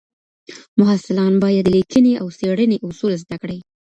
محصلان باید د لیکنې او څېړنې اصول زده کړي.